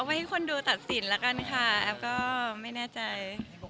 ไว้ให้คนดูตัดสินแล้วกันค่ะแอฟก็ไม่แน่ใจ